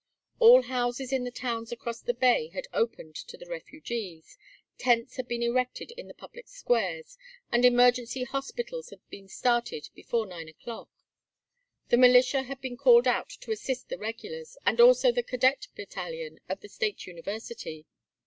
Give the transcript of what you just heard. All houses in the towns across the bay had opened to the refugees, tents had been erected in the public squares, and emergency hospitals had been started before nine o'clock. The militia had been called out to assist the regulars, and also the Cadet Battalion of the State University.